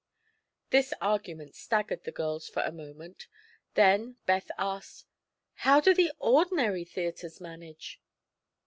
This argument staggered the girls for a moment. Then Beth asked: "How do the ordinary theatres manage?"